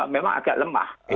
memang agak lemah